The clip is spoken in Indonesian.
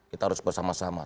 kita harus bersama sama